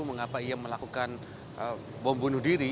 mengapa ia melakukan bom bunuh diri